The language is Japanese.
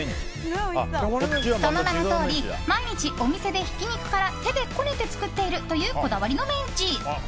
その名のとおり毎日、お店でひき肉から手でこねて作っているというこだわりのメンチ。